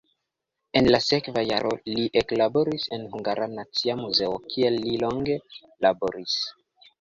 En la sekva jaro li eklaboris en Hungara Nacia Muzeo, kie li longe laboris.